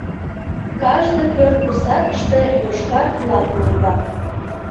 Кажне пӧрт пусакыште йошкар флаг лойга.